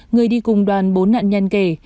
người đi cùng đoàn bốn nạn nhân kể